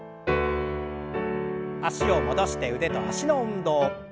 脚を戻して腕と脚の運動。